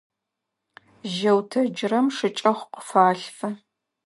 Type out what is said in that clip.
Жьэу тэджырэм шыкӀэхъу къыфалъфы.